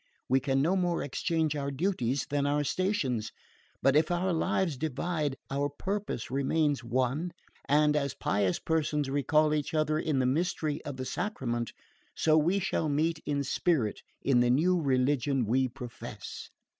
We can no more exchange our duties than our stations; but if our lives divide, our purpose remains one, and as pious persons recall each other in the mystery of the Sacrament, so we shall meet in spirit in the new religion we profess."